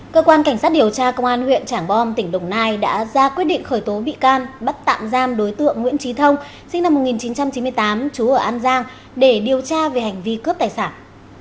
cơ quan cảnh sát điều tra công an huyện trảng bom tỉnh đồng nai đã ra quyết định khởi tố bị can bắt tạm giam đối tượng nguyễn trí thông sinh năm một nghìn chín trăm chín mươi tám chú ở an giang để điều tra về hành vi cướp tài sản